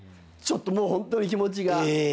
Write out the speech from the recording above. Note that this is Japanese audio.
もうホントに気持ちが。